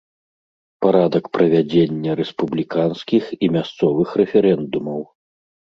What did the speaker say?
Парадак правядзення рэспубліканскіх і мясцовых рэферэндумаў.